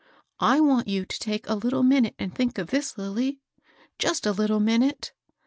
I want you to take a little minute and think of this, Lilly, —just a little minute.